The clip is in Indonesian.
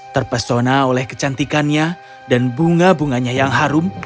terpesona oleh kecantikannya dan bunga bunganya yang harum